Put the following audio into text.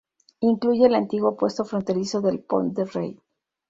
Incluye el antiguo puesto fronterizo del Pont de Rei.